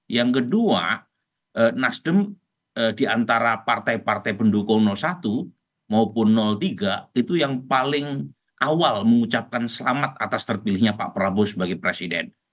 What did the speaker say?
yang kedua nasdem diantara partai partai pendukung satu maupun tiga itu yang paling awal mengucapkan selamat atas terpilihnya pak prabowo sebagai presiden